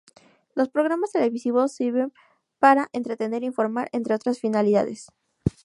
Los programas televisivos sirven para entretener, informar, entre otras finalidades.